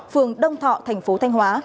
phường đông thọ thành phố thanh hóa